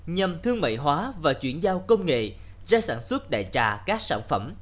nhằm thương mại hóa và chuyển giao công nghệ ra sản xuất đại trà các sản phẩm